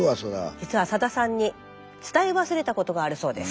実はさださんに伝え忘れたことがあるそうです。